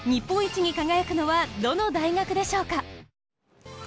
日本一に輝くのはどの大学でしょうか？